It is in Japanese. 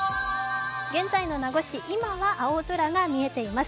現在の名護市今は青空が見えています。